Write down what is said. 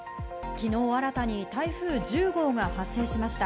昨日、新たに台風１０号が発生しました。